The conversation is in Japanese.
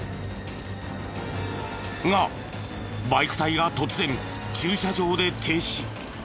がバイク隊が突然駐車場で停止。